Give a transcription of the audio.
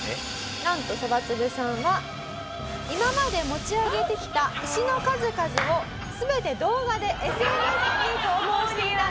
なんとそばつぶさんは今まで持ち上げてきた石の数々を全て動画でＳＮＳに投稿していたんです。